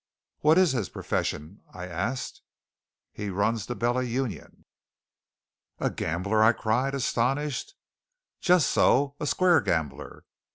"What is his profession?" I asked. "He runs the Bella Union." "A gambler?" I cried, astonished. "Just so a square gambler."